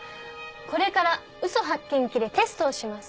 これから嘘発見器でテストをします。